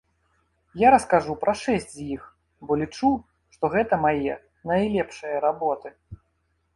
Я раскажу пра шэсць з іх, бо лічу, што гэта мае найлепшыя работы.